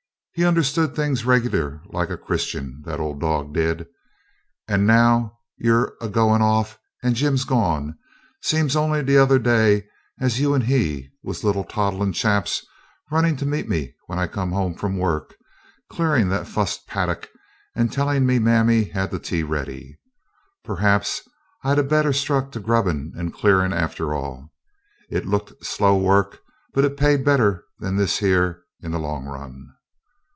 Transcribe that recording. He understood things regular like a Christian, that old dog did. 'And now you're a goin' off and Jim's gone seems only t'other day as you and he was little toddlin' chaps, runnin' to meet me when I come home from work, clearin' that fust paddock, and telling me mammy had the tea ready. Perhaps I'd better ha' stuck to the grubbin' and clearin' after all. It looked slow work, but it paid better than this here in the long run.'